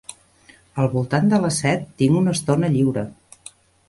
Al voltant de les set tinc una estona lliure.